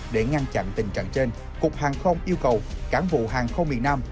để ngăn chặn tình trạng trên cục hàng không yêu cầu cảng vụ hàng không miền nam